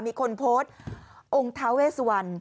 มีคนโพสต์องค์ท้าเวสวัน